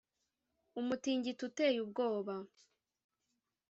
umutingito uteye ubwoba